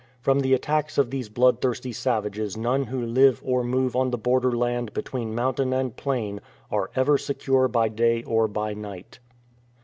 From the attacks of these bloodthirsty savages none who live or move on the borderland between mountain and plain are ever secure by day or by night.